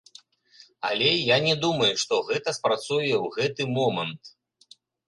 Але я не думаю, што гэта спрацуе ў гэты момант.